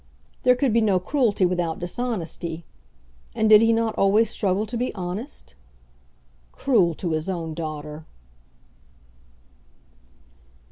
There could be no cruelty without dishonesty, and did he not always struggle to be honest? Cruel to his own daughter!